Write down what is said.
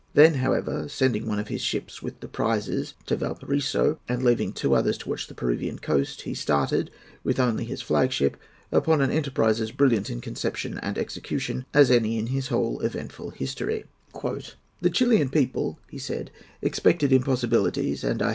Then, however, sending one of his ships, with the prizes, to Valparaiso, and leaving two others to watch the Peruvian coast, he started, with only his flag ship, upon an enterprise as brilliant in conception and execution as any in his whole eventful history. "The Chilian people," he said, "expected impossibilities; and I.